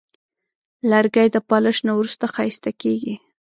لرګی د پالش نه وروسته ښایسته کېږي.